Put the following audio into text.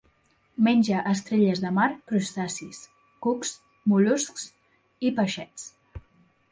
Menja estrelles de mar, crustacis, cucs, mol·luscs i peixets.